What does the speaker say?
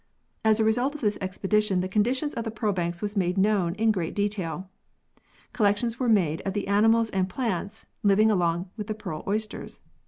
As a result of this expedition the condition of the pearl banks was made known in great detail. Collections were made of the animals and plants living along with the pearl oysters.